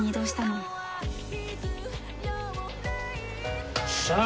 よっしゃ！